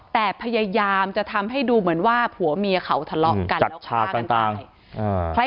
แต่พยายามจะทำให้ดูเหมือนว่าผัวเมียเขาทะเลาะกันแล้วฆ่ากันตาย